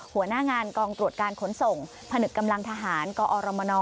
หัวหน้างานกองตรวจการขนส่งพนึกกำลังทหารกอรมน